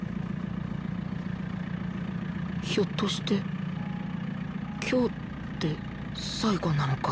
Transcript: ひょっとして今日で最後なのか？